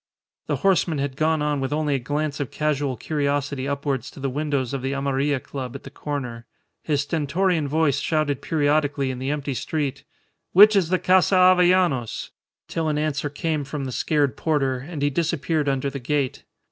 The horseman had gone on with only a glance of casual curiosity upwards to the windows of the Amarilla Club at the corner. His stentorian voice shouted periodically in the empty street, "Which is the Casa Avellanos?" till an answer came from the scared porter, and he disappeared under the gate.